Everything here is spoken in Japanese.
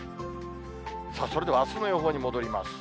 それではあすの予報に戻ります。